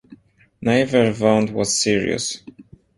Neither wound was serious.